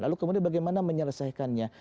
lalu kemudian bagaimana menyelesaikannya